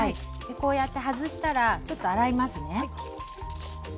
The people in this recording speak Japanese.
こうやって外したらちょっと洗いますね。